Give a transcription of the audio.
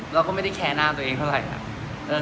เราก็ไม่ได้แคร์หน้าตัวเองเท่าไหร่ครับ